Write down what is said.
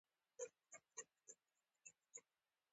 ګاونډي ته سلام کول ښېګڼه ده